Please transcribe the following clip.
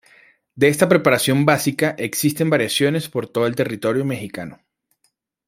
De esta preparación básica existen variaciones por todo el territorio mexicano.